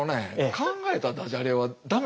考えたダジャレは駄目。